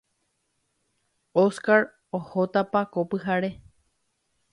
Óscar ohótapa ko pyhare.